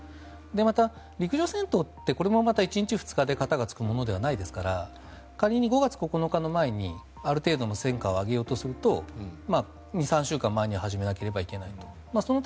また、陸上戦闘ってこれもまた１日、２日で片がつくものではないですから仮に５月９日の前にある程度の戦果を上げようとすると２３週間前に始めなければいけないと。